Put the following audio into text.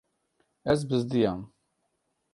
Ez bizdiyam.